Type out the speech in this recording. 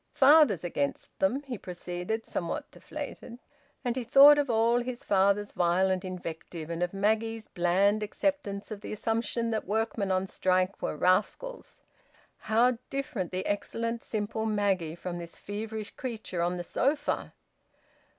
"Father's against them," he proceeded, somewhat deflated. And he thought of all his father's violent invective, and of Maggie's bland acceptance of the assumption that workmen on strike were rascals how different the excellent simple Maggie from this feverish creature on the sofa!